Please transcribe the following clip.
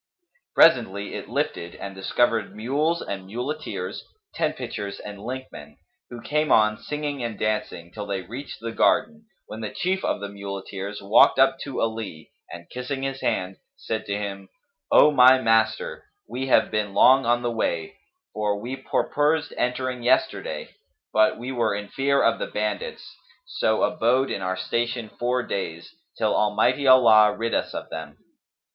Presently it lifted and discovered mules and muleteers, tent pitchers and linkmen, who came on, singing and dancing, till they reached the garden, when the chief of the muleteers walked up to Ali and kissing his hand, said to him, "O my master, we have been long on the way, for we purposed entering yesterday; but we were in fear of the bandits, so abode in our station four days, till Almighty Allah rid us of them."